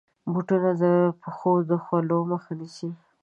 بوټونه د پښو د خولو مخه نیسي.